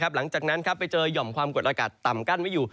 หลังจากนั้นไปเจอหย่อมความกดอากาศต่ำกั้นไว้อยู่